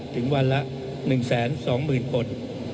ถึงวันละ๑๒๐๐๐คน